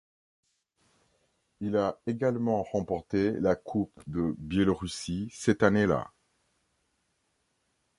Il a également remporté la Coupe de Biélorussie cette année-là.